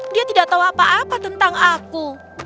dia tidak tahu apa apa tentang aku